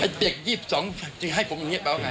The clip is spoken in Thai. เด็ก๒๒จะให้ผมอย่างนี้แปลว่าไง